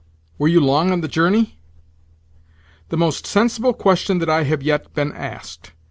"Were you long on the journey?" "The most sensible question that I have yet been asked!